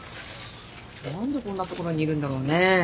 何でこんな所にいるんだろうね。